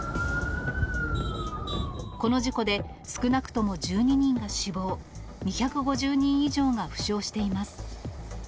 この事故で少なくとも１２人が死亡、２５０人以上が負傷しています。